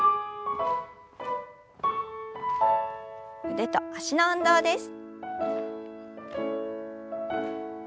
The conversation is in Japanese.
腕と脚の運動です。